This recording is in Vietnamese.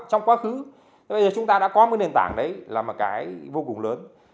trong quá khứ bây giờ chúng ta đã có một nền tảng đấy là một cái vô cùng lớn